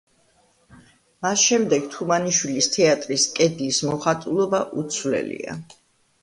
მას შემდეგ თუმანიშვილის თეატრის კედლის მოხატულობა უცვლელია.